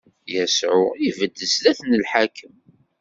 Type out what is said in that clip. Yasuɛ ibedd zdat n lḥakem.